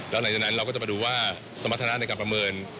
แล้วหลังจากนั้นเราก็จะมาดูว่าสมรรถนะในการประเมิน